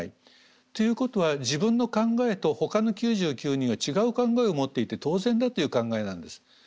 ということは自分の考えとほかの９９人は違う考えを持っていて当然だという考えなんです。